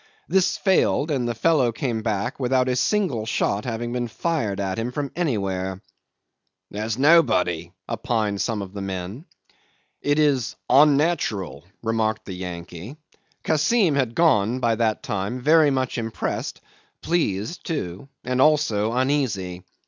This failed, and the fellow came back without a single shot having been fired at him from anywhere. "There's nobody," opined some of the men. It is "onnatural," remarked the Yankee. Kassim had gone, by that time, very much impressed, pleased too, and also uneasy.